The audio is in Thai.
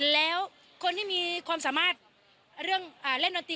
แล้วคนที่มีความสามารถเรื่องเล่นดนตรี